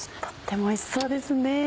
とってもおいしそうですね。